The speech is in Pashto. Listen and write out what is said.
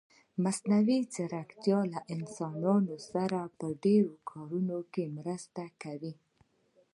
مصنوعي ځيرکتيا له انسانانو سره په ډېرو کارونه کې مرسته کوي.